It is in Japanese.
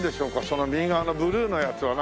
その右側のブルーのやつは。